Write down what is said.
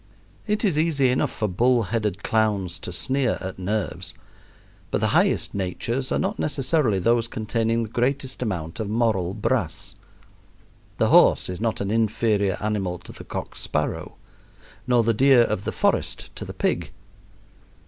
It is easy enough for bull headed clowns to sneer at nerves, but the highest natures are not necessarily those containing the greatest amount of moral brass. The horse is not an inferior animal to the cock sparrow, nor the deer of the forest to the pig.